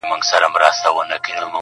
وروڼه له وروڼو څخه بیریږي!!